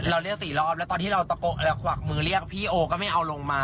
เรียก๔รอบแล้วตอนที่เรากวักมือเรียกพี่โอก็ไม่เอาลงมา